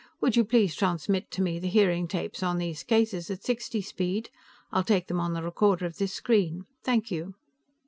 "Would you please transmit to me the hearing tapes on these cases, at sixty speed? I'll take them on the recorder of this screen. Thank you."